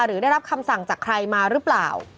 หรือได้รับคำสั่งจากใครมาหรือเปล่า